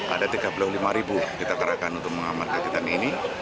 ada tiga puluh lima ribu kita kerahkan untuk mengamar kegiatan ini